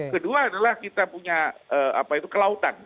kedua adalah kita punya kelautan